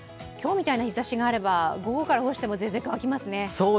今日みたいな日ざしがあれば午後から干しても乾きますね。